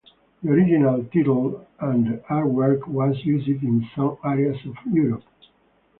The original title and artwork was used in some areas of Europe.